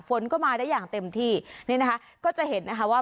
ฝนก็มาได้อย่างเต็มที่นี่นะคะก็จะเห็นนะคะว่า